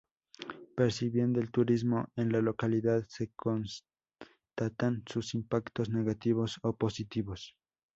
Percibiendo el turismo en la localidad se constatan sus impactos negativos o positivos.